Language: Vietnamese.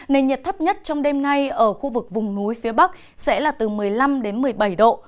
nền nhiệt thấp nhất trong đêm nay ở khu vực vùng núi phía bắc sẽ là từ một mươi năm đến một mươi bảy độ